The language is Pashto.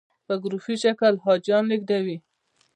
په ګروپي شکل حاجیان لېږدوي.